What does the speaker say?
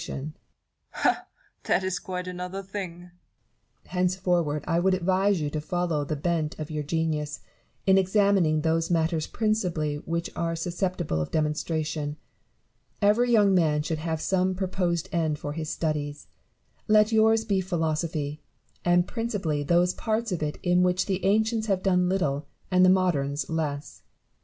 Ha ! that is quite another thing. Barrow. Henceforward I would advise you to follow the bent of your genius, in examining those matters principally which are susceptible of demonstration. Every young man should have some proposed end for his studies : let yours be philosophy ; and principally those parts of it in which the ancients have done little and the moderns less.